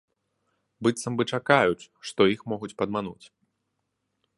Быццам бы чакаюць, што іх могуць падмануць.